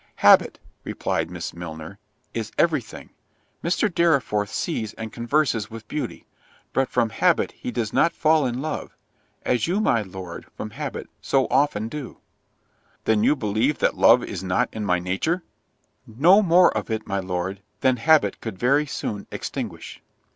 "Habit," replied Miss Milner, "is every thing—Mr. Dorriforth sees and converses with beauty, but from habit he does not fall in love; as you, my Lord, from habit, so often do." "Then you believe that love is not in my nature?" "No more of it, my Lord, than habit could very soon extinguish."